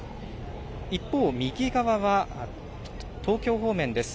一方、右側は東京方面です。